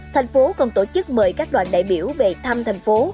thành phố còn tổ chức mời các đoàn đại biểu về thăm thành phố